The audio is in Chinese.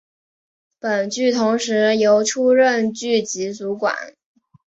本剧同时由出任剧集主管。